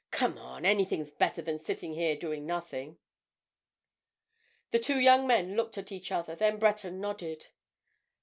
Come on!—anything's better than sitting here doing nothing." The two young men looked at each other. Then Breton nodded.